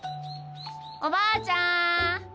おばあちゃん！